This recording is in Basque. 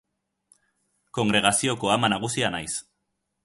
Kongregazioko ama nagusia naiz.